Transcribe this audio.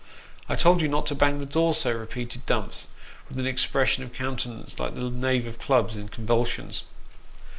" I told you not to bang the door so !" repeated Dumps, with an expression of countenance like the knave of clubs, in convulsions.